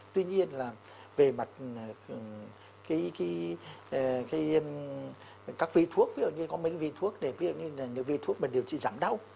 tuy nhiên là về mặt các vi thuốc ví dụ như có mấy vi thuốc để vi thuốc mà điều trị giảm đau